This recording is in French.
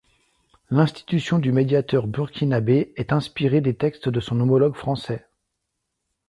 L'institution du Médiateur burkinabé est inspiré des textes de son homologue français.